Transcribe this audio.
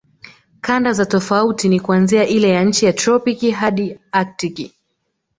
Kanda za tofauti ni kuanzia ile ya nchi za tropiki hadi aktiki